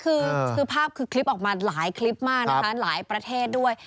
คือภาพคือคลิปออกมาหลายคลิปมากนะคะหลายประเทศด้วย